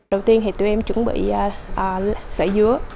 đầu tiên thì tụi em chuẩn bị sợi dứa